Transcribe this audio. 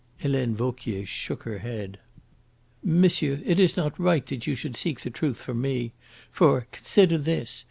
Helene Vauquier shook her head. "Monsieur, it is not right that you should seek the truth from me. For, consider this!